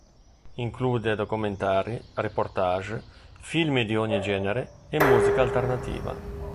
Include documentari, reportage, film di ogni genere, e musica alternativa.